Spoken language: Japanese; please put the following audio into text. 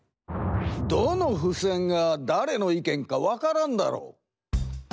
どのふせんがだれの意見か分からんだろう。